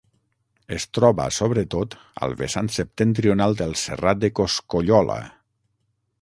Es troba sobretot al vessant septentrional del Serrat de Coscollola.